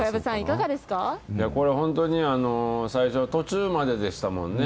これ、本当に最初は途中まででしたもんね。